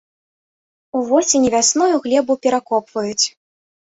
Увосень і вясной глебу перакопваюць.